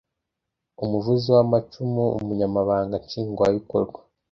Umuvuzi w’amacumu: umunyamabanga nshinga bikorwa